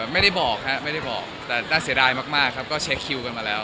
ไม่ได้บอกครับไม่ได้บอกแต่น่าเสียดายมากครับก็เช็คคิวกันมาแล้ว